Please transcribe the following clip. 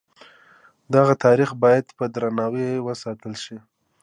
دغه تاریخ باید په درناوي وساتل شي.